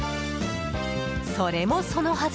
それもそのはず